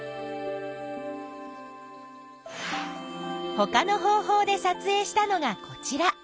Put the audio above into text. ほかの方法でさつえいしたのがこちら。